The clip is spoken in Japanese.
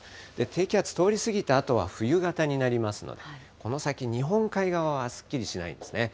低気圧、通り過ぎたあとは冬型になりますので、この先、日本海側はすっきりしないんですね。